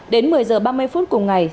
đến một mươi giờ ba mươi phút cùng ngày